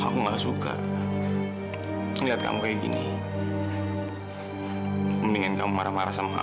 kok kamu gak marah sih